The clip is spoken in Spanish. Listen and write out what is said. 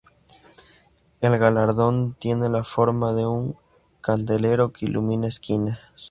El galardón tiene la forma de un candelero "que ilumina esquinas".